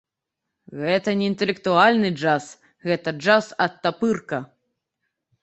Гэта не інтэлектуальны джаз, гэта джаз-адтапырка!